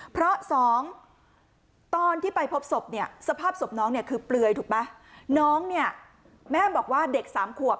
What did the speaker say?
เพราะสองตอนที่ไปพบศพเนี่ยสภาพศพน้องเนี่ยคือเปลือยถูกไหมน้องเนี่ยแม่บอกว่าเด็กสามขวบ